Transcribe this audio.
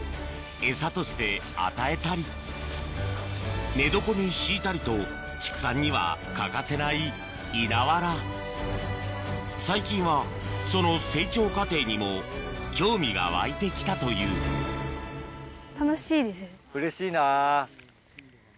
エサとして与えたり寝床に敷いたりと畜産には欠かせない稲わら最近はその成長過程にも興味が湧いて来たといううれしいな。